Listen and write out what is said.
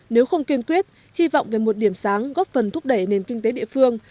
nếu không kiên quyết hy vọng về một điểm sáng góp phần thúc đẩy nền kinh tế địa phương